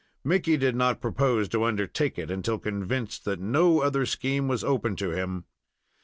Mickey did not propose to undertake it until convinced that no other scheme was open to him.